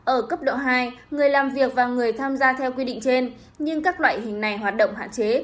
ở cấp độ hai người làm việc và người tham gia theo quy định trên nhưng các loại hình này hoạt động hạn chế